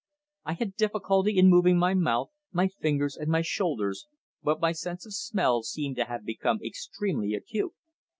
I had difficulty in moving my mouth, my fingers, and my shoulders, but my sense of smell seemed to have become extremely acute.